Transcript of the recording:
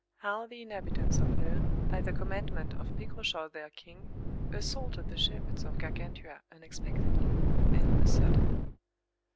How the inhabitants of Lerne, by the commandment of Picrochole their king, assaulted the shepherds of Gargantua unexpectedly and on a sudden.